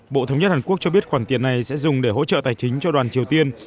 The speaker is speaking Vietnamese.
bộ thống nhất hàn quốc cho biết khoản tiền này sẽ dùng để hỗ trợ tài chính cho đoàn triều tiên